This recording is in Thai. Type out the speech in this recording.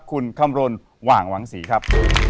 คุณคำรณหว่างหวังศรีครับ